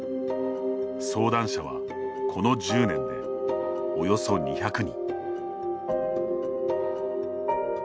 相談者はこの１０年でおよそ２００人。